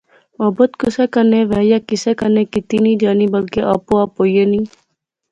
محبت کُسے کنے وہے یا کسے کنےکتی نی جانی بلکہ آپو آپ ہوئی اینی